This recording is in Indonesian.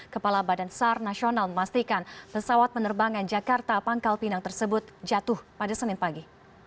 kepala badan sar nasional memastikan pesawat penerbangan jakarta pangkal pinang tersebut jatuh pada senin pagi